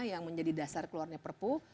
yang menjadi dasar keluarnya perpu